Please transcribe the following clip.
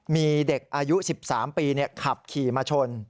มีเด็กอายุ๑๓ปีขับขี่มาชน